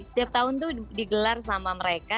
setiap tahun tuh digelar sama mereka